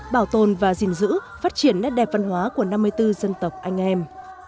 bảo tồn và gìn giữ phát triển đất đẹp văn hóa của năm mươi bốn dân tộc anh em